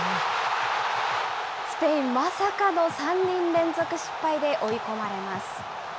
スペイン、まさかの３人連続失敗で追い込まれます。